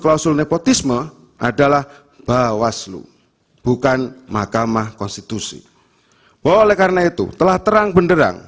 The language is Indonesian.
klausul nepotisme adalah bawaslu bukan mahkamah konstitusi bahwa oleh karena itu telah terang benderang